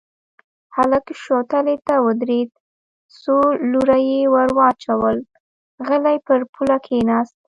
هلک شوتلې ته ودرېد، څو لوره يې ور واچول، غلی پر پوله کېناست.